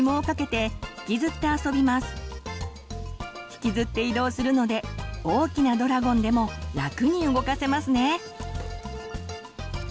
引きずって移動するので大きなドラゴンでも楽に動かせますね。